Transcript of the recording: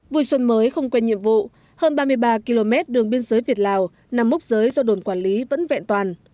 vui xuân mới không quên nhiệm vụ hơn ba mươi ba km đường biên giới việt lào nằm múc giới do đồn quản lý vẫn vẹn toàn